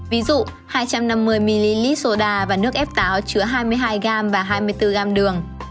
ví dụ hai trăm năm mươi ml soda và nước ép táo chứa hai mươi hai g và hai mươi bốn g đường